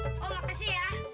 oh makasih ya